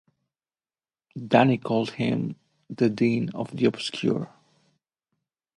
Danny called him, "The Dean of the Obscure".